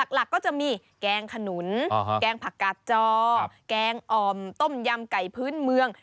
หลักก็จะมีแกงขนุนแกงผักกาดจอแกงอ่อมต้มยำไก่พื้นเมือง